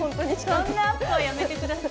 そんなアップはやめてください。